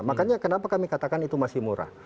makanya kenapa kami katakan itu masih murah